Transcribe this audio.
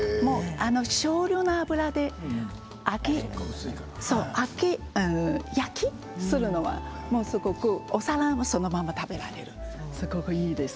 少量の油で揚げ焼きするのはすごくお皿もそのまま食べられるすごくいいです。